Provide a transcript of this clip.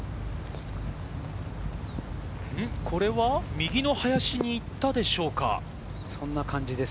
右の林に行ったでしょうか？